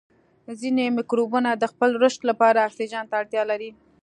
ځینې مکروبونه د خپل رشد لپاره اکسیجن ته اړتیا لري.